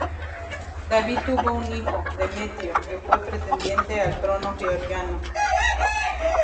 David tuvo un hijo, Demetrio, que fue pretendiente al trono georgiano